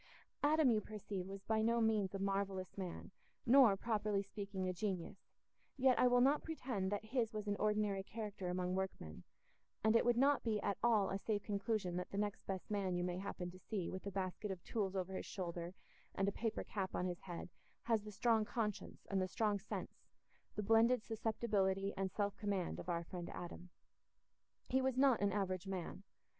Adam, you perceive, was by no means a marvellous man, nor, properly speaking, a genius, yet I will not pretend that his was an ordinary character among workmen; and it would not be at all a safe conclusion that the next best man you may happen to see with a basket of tools over his shoulder and a paper cap on his head has the strong conscience and the strong sense, the blended susceptibility and self command, of our friend Adam. He was not an average man.